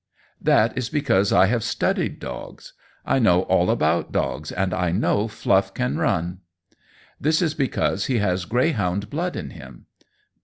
That is because I have studied dogs. I know all about dogs, and I know Fluff can run. This is because he has greyhound blood in him.